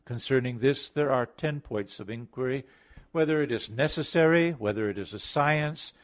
Concerning this there are ten points of inquiry: (1) Whether it is necessary? (2) Whether it is a science?